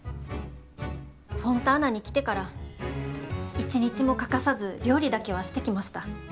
フォンターナに来てから一日も欠かさず料理だけはしてきました。